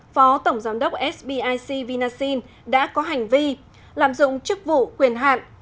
phó tổng giám đốc sbic vinasin đã có hành vi lạm dụng chức vụ quyền hạn